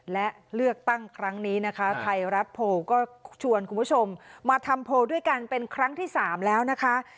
และเลือกตั้งครั้งนี้นะคะไทยรัฐโพลก็ชวนคุณผู้ชมมาทำโพลด้วยกันเป็นครั้งที่๓แล้วนะคะ